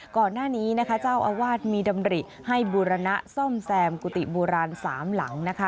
ก่อนหน้านี้นะคะเจ้าอาวาสมีดำริให้บูรณะซ่อมแซมกุฏิโบราณสามหลังนะคะ